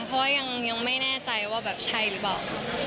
เพราะว่ายังไม่แน่ใจว่าแบบใช่หรือเปล่า